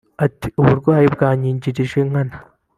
Ati “Uburwayi bwanyigirije nkana